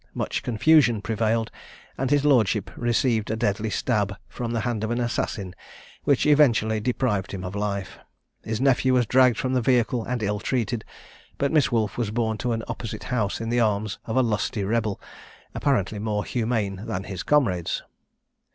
Much confusion prevailed, and his lordship received a deadly stab from the hand of an assassin which eventually deprived him of life: his nephew was dragged from the vehicle and ill treated; but Miss Wolfe was borne to an opposite house in the arms of a lusty rebel, apparently more humane than his comrades.